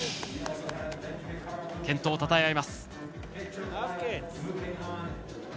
健闘をたたえ合います。